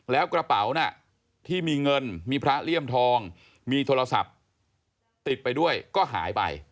แล้วกระเป๋าน่ะที่มีเงินมีพระเลี่ยมทองมีโทรศัพท์ติดไปด้วยก็หายไป